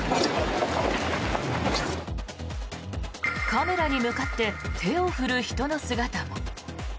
カメラに向かって手を振る人の姿も。